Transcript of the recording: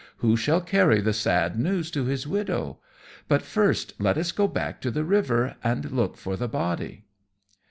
Who shall carry the sad news to his widow? But first let us go back to the river, and look for the body."